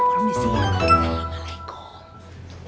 kom permisi waalaikumsalam